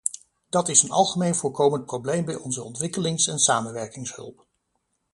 Dat is een algemeen voorkomend probleem bij onze ontwikkelings- en samenwerkingshulp.